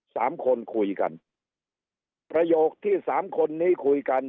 สามคนคุยกันประโยคที่สามคนนี้คุยกัน